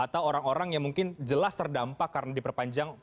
atau orang orang yang mungkin jelas terdampak karena diperpanjang ppkm level satu